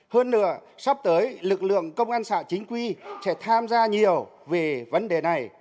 hơn nữa sắp tới lực lượng công an xã chính quy sẽ tham gia nhiều về vấn đề này